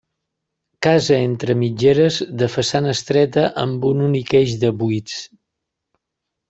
Casa entre mitgeres, de façana estreta amb un únic eix de buits.